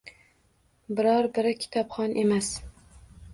Biror biri kitobxon emas.